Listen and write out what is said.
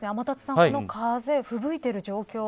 この風、吹雪いている状況。